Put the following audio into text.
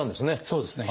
そうですね。